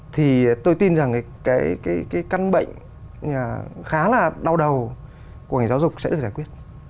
thì tôi tin rằng cái căn bệnh khá là đau đầu của ngành giáo dục sẽ được giải quyết